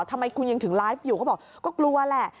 ทำไมคุณยังถึงไลฟ์อยู่เขาบอกก็กลัวแหละ